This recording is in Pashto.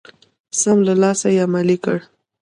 سم له لاسه يې عملي کړئ.